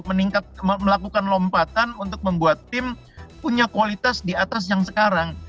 meningkat melakukan lompatan untuk membuat tim punya kualitas di atas yang sekarang